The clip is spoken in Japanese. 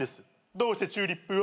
どうしてチューリップを？